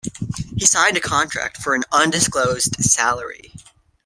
He signed a contract for an undisclosed salary.